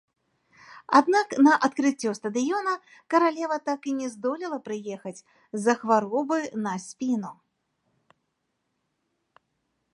Аднак на адкрыццё стадыёна каралева так і не здолела прыехаць з-за хваробы на спіну.